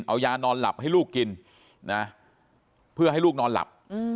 เอายานอนหลับให้ลูกกินนะเพื่อให้ลูกนอนหลับ